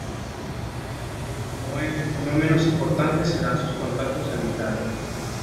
No menos importantes serán sus contactos y amistades.